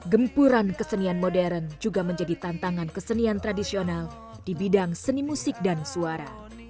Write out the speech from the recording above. gempuran kesenian modern juga menjadi tantangan kesenian tradisional di bidang seni musik dan suara